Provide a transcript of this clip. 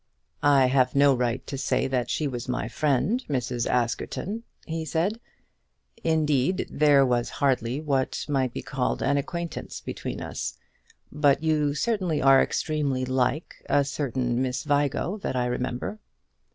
"I have no right to say that she was my friend, Mrs. Askerton," he said; "indeed there was hardly what might be called an acquaintance between us; but you certainly are extremely like a certain Miss Vigo that I remember."